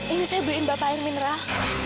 ini saya beliin bapak air mineral